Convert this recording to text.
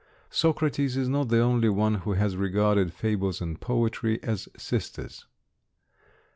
Socrates is not the only one who has regarded fables and poetry as sisters.